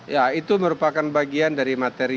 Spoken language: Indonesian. ya itu merupakan bagian dari materi